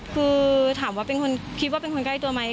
คือถามว่าเป็นคนคิดว่าเป็นคนใกล้ตัวไหม